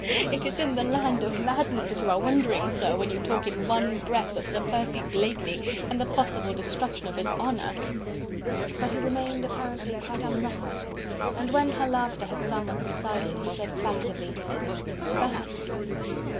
It is in the land of madness that you are wandering, sir, when you talk in one breath of Sir Percy Blakeney and the possible destruction of his honour!" But he remained apparently quite unruffled, and when her laughter had somewhat subsided, he said placidly: "Perhaps!..."